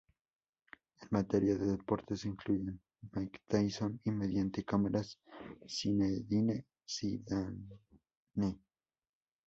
En materia de deportes, se incluyen Mike Tyson, y mediante cámaras Zinedine Zidane.